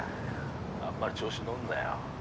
あんまり調子乗んなよ。